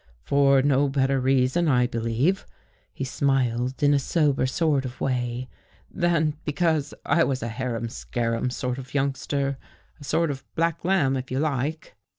For no bet ter reason, I believe," he smiled in a sober sort of way, " than because I was a harum scarum sort of youngster — a sort of black lamb, if you like.